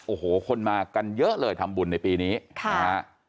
โอ้โหคนมากันเยอะเลยทำบุญในปีนี้นะฮะ